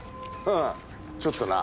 ああちょっとな。